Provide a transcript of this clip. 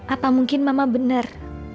apa mungkin mama bener